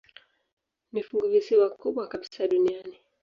Ni funguvisiwa kubwa kabisa duniani.